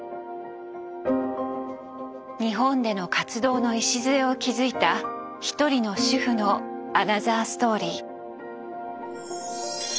日本での活動の礎を築いた一人の主婦のアナザーストーリー。